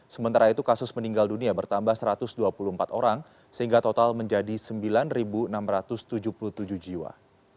sementara itu kasus meninggal dunia bertambah satu ratus dua puluh empat orang sehingga total menjadi sembilan enam ratus tujuh puluh tujuh jiwa